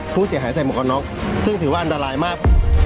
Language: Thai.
รู้เสียหายใส่มกระน็อกซึ่งถือว่าอันตรายมาก